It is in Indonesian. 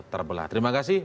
terbelah terima kasih